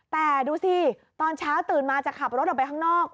แต่ดูสิตอนเช้าตื่นมาจะขับรถออกไปข้างนอก